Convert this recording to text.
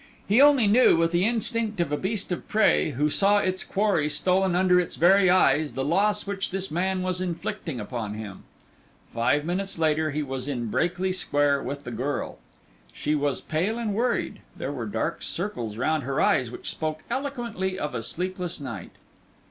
He only knew, with the instinct of a beast of prey who saw its quarry stolen under its very eyes, the loss which this man was inflicting upon him. Five minutes later he was in Brakely Square with the girl. She was pale and worried; there were dark circles round her eyes which spoke eloquently of a sleepless night.